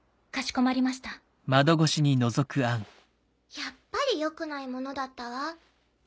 やっぱり良くないものだったわ。